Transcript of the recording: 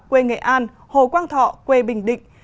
quê nghệ an hồ quang thọ quê bình định